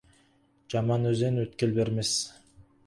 Жаман өзен өткел бермес.